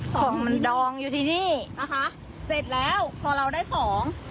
ของมันดองอยู่ที่นี่นะคะเสร็จแล้วพอเราได้ของ